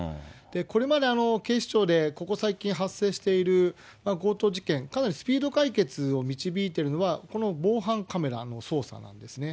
これまで警視庁で、ここ最近発生している強盗事件、かなりスピード解決を導いているのは、この防犯カメラの捜査なんですね。